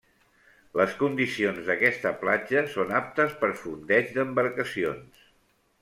Les condicions d'aquesta platja són aptes per fondeig d'embarcacions.